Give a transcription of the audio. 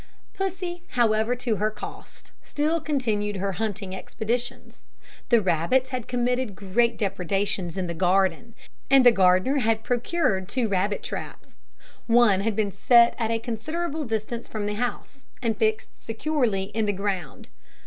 Pussy, however, to her cost, still continued her hunting expeditions. The rabbits had committed great depredations in the garden, and the gardener had procured two rabbit traps. One had been set at a considerable distance from the house, and fixed securely in the ground.